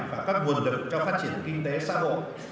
và các nguồn lực cho phát triển kinh tế xã hội